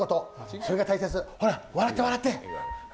それが大切、ほら笑って、笑って！